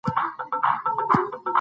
ځینې روباټونه انسان ته ورته دي.